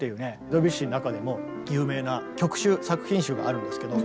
ドビュッシーの中でも有名な曲集作品集があるんですけど